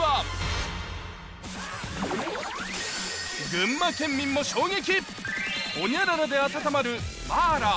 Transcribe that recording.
群馬県民も衝撃！